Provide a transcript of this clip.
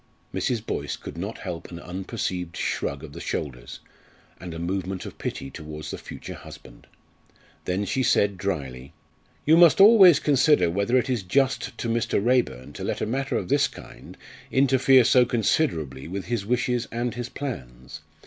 Mrs. Boyce could not help an unperceived shrug of the shoulders, and a movement of pity towards the future husband. Then she said drily, "You must always consider whether it is just to Mr. Raeburn to let a matter of this kind interfere so considerably with his wishes and his plans.